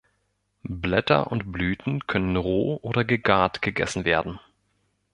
Blätter und Blüten können roh oder gegart gegessen werden.